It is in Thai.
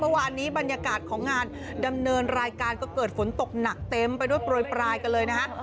เมื่อวานนี้บรรยากาศของงานดำเนินรายการก็เกิดฝนตกหนักเต็มไปด้วยโปรยปลายกันเลยนะฮะ